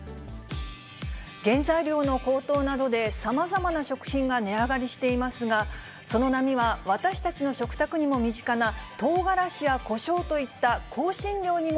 原材料の高騰などで、さまざまな食品が値上がりしていますが、その波は私たちの食卓にも身近なトウガラシやこしょうといった香